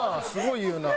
言うなあ？